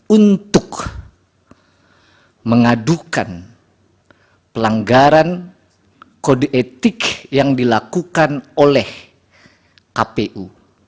untuk mengadukan pelanggaran kode etik yang dilakukan oleh kpu